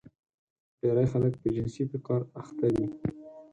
ډېری خلک په جنسي فقر اخته دي.